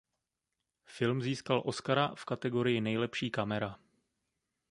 Film získal Oscara v kategorii nejlepší kamera.